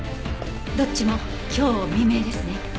どっちも今日未明ですね。